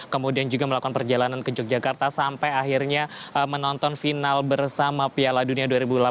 kemudian juga melakukan perjalanan ke yogyakarta sampai akhirnya menonton final bersama piala dunia dua ribu delapan belas